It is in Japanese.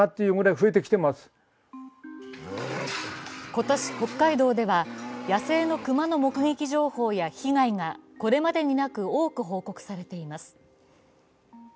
今年、北海道では野生のクマの目撃情報や被害がこれまでになく多く報告されています。